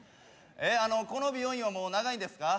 この美容院はもう長いんですか？